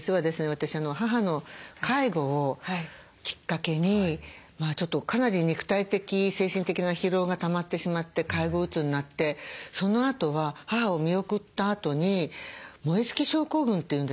私母の介護をきっかけにかなり肉体的精神的な疲労がたまってしまって介護うつになってそのあとは母を見送ったあとに燃え尽き症候群というんですかね。